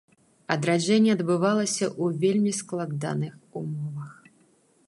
Адраджэнне адбывалася ў вельмі складаных умовах.